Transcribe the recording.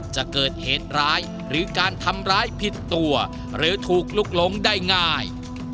จะเกิดเหตุร้ายหรือการทำร้ายผิดตัวหรือถูกลุกลงได้ง่าย